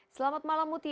selamat malam mutia